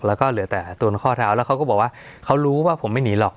แล้วก็เหลือแต่ตัวข้อเท้าแล้วเขาก็บอกว่าเขารู้ว่าผมไม่หนีหรอก